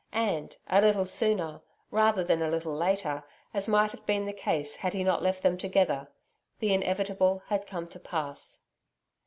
And, a little sooner, rather than a little later as might have been the case had he not left them together the inevitable had come to pass.